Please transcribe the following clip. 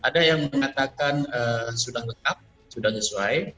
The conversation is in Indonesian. ada yang mengatakan sudah lengkap sudah sesuai